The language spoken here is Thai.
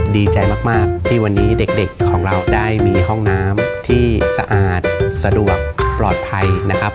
ดีใจมากที่วันนี้เด็กของเราได้มีห้องน้ำที่สะอาดสะดวกปลอดภัยนะครับ